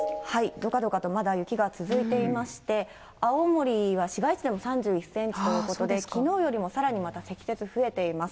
どかどかとまだ雪が続いていまして、青森は市街地でも３１センチということで、きのうよりもさらにまた積雪増えています。